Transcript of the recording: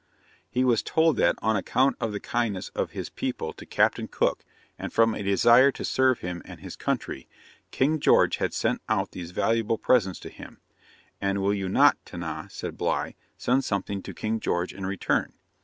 He was told that, on account of the kindness of his people to Captain Cook, and from a desire to serve him and his country; King George had sent out those valuable presents to him; and 'will you not, Tinah,' said Bligh, 'send something to King George in return?'